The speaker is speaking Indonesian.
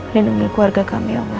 lindungi keluarga kami ya allah